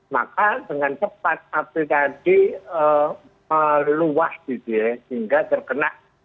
maka dengan cepat api tadi meluas hingga terkena